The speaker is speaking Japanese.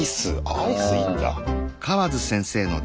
アイスいいんだ。